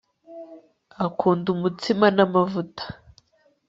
akunda umutsima n'amavuta